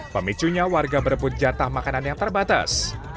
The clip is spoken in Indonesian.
pemicunya warga berebut jatah makanan yang terbatas